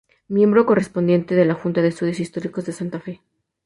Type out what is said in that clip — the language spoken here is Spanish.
Miembro Correspondiente de la Junta de estudios Históricos de Santa Fe.